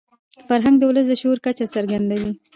فرهنګ د ولس د شعور کچه څرګندوي.